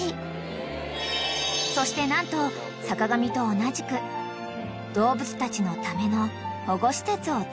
［そして何と坂上と同じく動物たちのための保護施設を作ること］